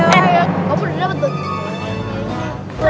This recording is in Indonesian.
astaga udah dapet